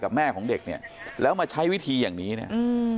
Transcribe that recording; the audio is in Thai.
แม่ของเด็กเนี่ยแล้วมาใช้วิธีอย่างนี้เนี่ยอืม